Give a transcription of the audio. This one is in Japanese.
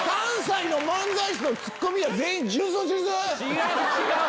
⁉違う違う！